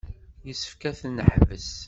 Yessefk ad ten-neḥbes.